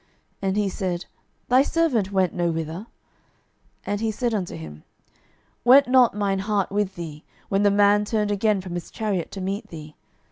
And he said, Thy servant went no whither. 12:005:026 And he said unto him, Went not mine heart with thee, when the man turned again from his chariot to meet thee?